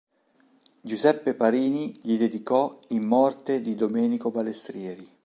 Giuseppe Parini gli dedicò "In morte di Domenico Balestrieri".